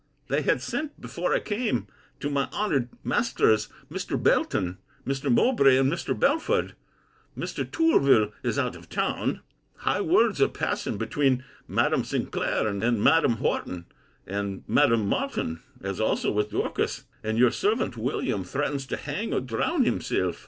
They had sent, before I came, to my honoured masters Mr. Belton, Mr. Mowbray, and Mr. Belford. Mr. Tourville is out of town. High words are passing between Madam Sinclair, and Madam Horton, and Madam Martin; as also with Dorcas. And your servant William threatens to hang or drown himself.